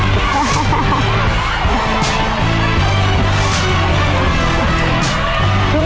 ถึงไหมถึงไหม